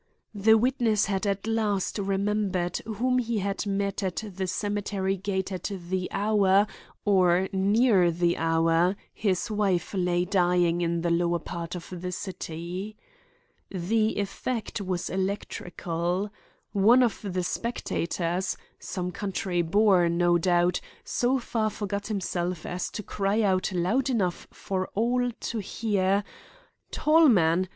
The witness had at last remembered whom he had met at the cemetery gate at the hour, or near the hour, his wife lay dying in the lower part of the city. The effect was electrical. One of the spectators—some country boor, no doubt—so far forgot himself as to cry out loud enough for all to hear: "Tallman!